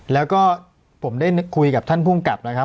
แล้วก็ผมได้คุยกับท่านภูมิกับนะครับ